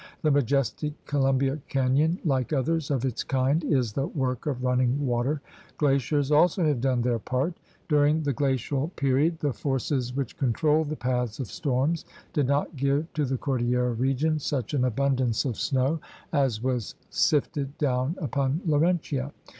The majestic Columbia Canyon, like others of its kind, is the work of running water. Glaciers also have done their part. During the glacial period the forces which control the paths of storms did not give to the cordillera region such an abundance of snow 84 THE RED MAN'S CONTINENT as was sifted down upon Laurentia.